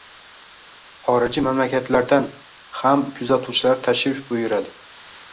Xorijiy mamlakatlardan ham kuzatuvchilar tashrif buyuradi.